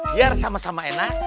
biar sama sama enak